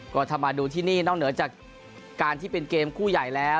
ก็ถ้ามาดูที่นี่นอกเหนือจากการที่เป็นเกมคู่ใหญ่แล้ว